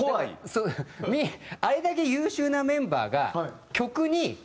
そうあれだけ優秀なメンバーがねえ！